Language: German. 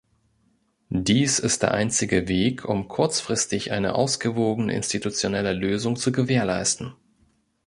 Dies ist der einzige Weg, um kurzfristig eine ausgewogene institutionelle Lösung zu gewährleisten.